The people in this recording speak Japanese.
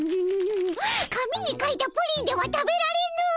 紙に書いたプリンでは食べられぬ！